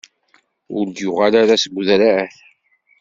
Ur d-yuɣal ara seg udrar.